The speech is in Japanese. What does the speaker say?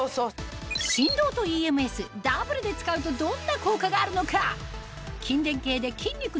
振動とＥＭＳダブルで使うとどんな効果があるのか？